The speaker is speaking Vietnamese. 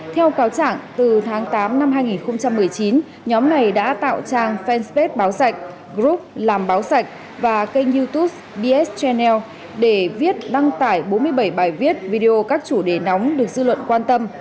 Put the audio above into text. theo cáo trạng từ tháng tám năm hai nghìn một mươi chín nhóm này đã tạo trang fanpage báo sạch group làm báo sạch và kênh youtube ds chanel để viết đăng tải bốn mươi bảy bài viết video các chủ đề nóng được dư luận quan tâm